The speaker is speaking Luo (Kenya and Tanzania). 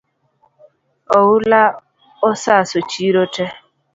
Oula osaso chiro tee